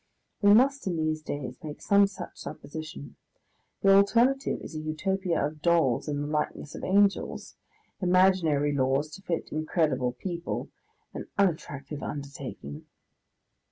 We must in these days make some such supposition. The alternative is a Utopia of dolls in the likeness of angels imaginary laws to fit incredible people, an unattractive undertaking.